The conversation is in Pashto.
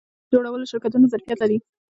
د سرک جوړولو شرکتونه ظرفیت لري؟